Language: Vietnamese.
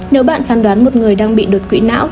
nếu bạn phán đoán một người đang bị đột quỵ não